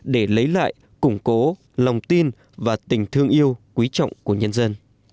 để lấy lại củng cố lòng tin và tình thương yêu quý trọng của nhân dân